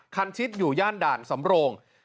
คันชิดอยู่ย่านด่านสมโรง